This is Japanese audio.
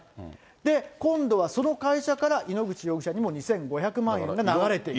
で、今度はその会社から井ノ口容疑者にも２５００万円が流れている。